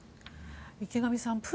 池上さん